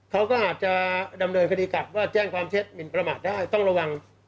เขาก็อาจจะดำเนินคดีกลับว่าแจ้งความเท็จหมินประมาทได้ต้องระวัง